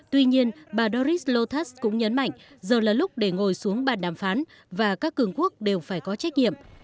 tuy nhiên bà doris lotas cũng nhấn mạnh giờ là lúc để ngồi xuống bàn đàm phán và các cường quốc đều phải có trách nhiệm